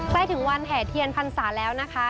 ใกล้ถึงวันแห่เทียนพรรษาแล้วนะคะ